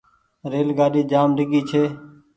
ريل گآڏي جآم ڊيگهي ڇي۔